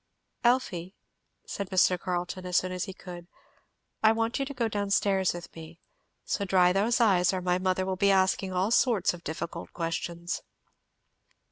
"Elfie," said Mr. Carleton, as soon as he could, "I want you to go down stairs with me; so dry those eyes, or my mother will be asking all sorts of difficult questions."